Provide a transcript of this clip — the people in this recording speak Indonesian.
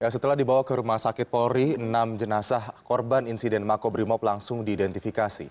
setelah dibawa ke rumah sakit polri enam jenazah korban insiden makobrimob langsung diidentifikasi